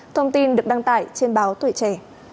thông tin được đăng tải trên báo tuổi trẻ